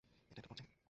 এটা একটা পর্যায়।